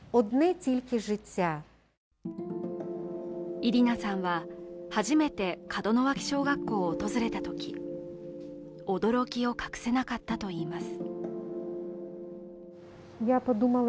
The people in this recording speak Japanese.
イリナさんは初めて門脇小学校を訪れたとき驚きを隠せなかったといいます。